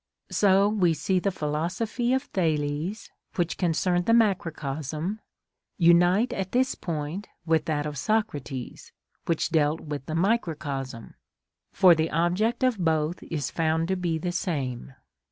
So we see the philosophy of Thales, which concerned the macrocosm, unite at this point with that of Socrates, which dealt with the microcosm, for the object of both is found to be the same.